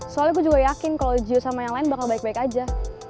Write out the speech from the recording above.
soalnya aku juga yakin kalau giu sama yang lain bakal baik baik aja